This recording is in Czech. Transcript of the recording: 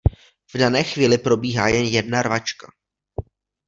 V dané chvíli probíhá jen jedna rvačka!